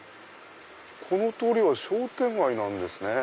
この通りは商店街なんですね。